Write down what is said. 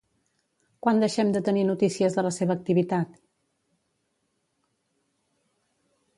Quan deixem de tenir notícies de la seva activitat?